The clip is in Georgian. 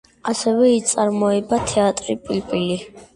ასევე იწარმოება თეთრი პილპილი.